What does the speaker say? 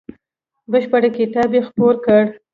بشپړ کتاب یې خپور کړ.